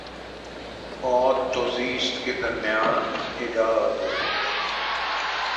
موت و زیست کے درمیاں حجاب زندگی